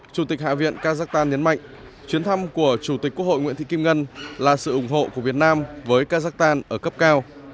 chủ tịch hạ viện kazakhstan nhấn mạnh chuyến thăm của chủ tịch quốc hội nguyễn thị kim ngân là sự ủng hộ của việt nam với kazakhstan ở cấp cao